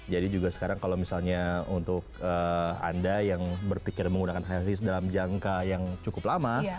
jadi juga sekarang kalau misalnya untuk anda yang berpikir menggunakan high heels dalam jangka yang cukup lama